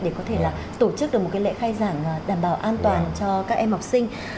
để có thể là tổ chức được một lễ khai giảng đảm bảo an toàn cho các em học sinh